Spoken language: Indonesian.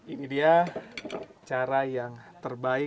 ini dia cara yang terbaik